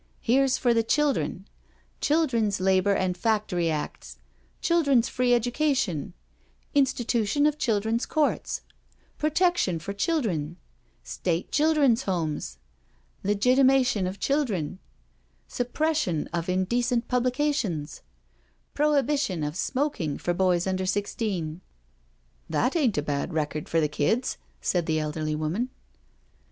Here's for the children — Children's Labour and Factory Acts — Children's Free Education — Institu tion of Children's Courts — Protection of Children — State Children's Homes — ^Legitimation of Children — Suppres sion of Indecent Publications — Prohibition of Smoking for boys under sixteen "" That ain't a bad record for the kids," said the elderly woman.